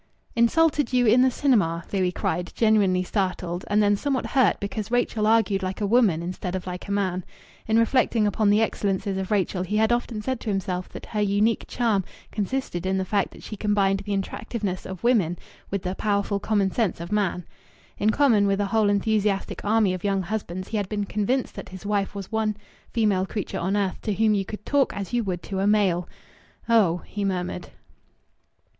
"Insulted you in the cinema!" Louis cried, genuinely startled, and then somewhat hurt because Rachel argued like a woman instead of like a man. In reflecting upon the excellences of Rachel he had often said to himself that her unique charm consisted in the fact that she combined the attractiveness of woman with the powerful commonsense of man. In common with a whole enthusiastic army of young husbands he had been convinced that his wife was the one female creature on earth to whom you could talk as you would to a male. "Oh!" he murmured.